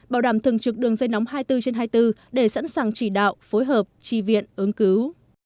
bảo đảm thường trực đường dây nóng hai mươi bốn trên hai mươi bốn để sẵn sàng chỉ đạo phối hợp tri viện ứng cứu